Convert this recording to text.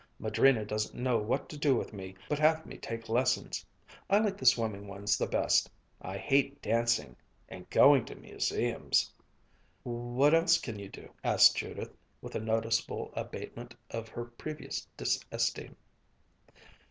Madrina doesn't know what to do with me but have me take lessons. I like the swimming ones the best. I hate dancing and going to museums." "What else can you do?" asked Judith with a noticeable abatement of her previous disesteem.